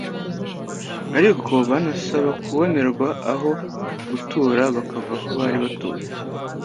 ariko banasaba kubonerwa aho gutura bakava aho bari batuye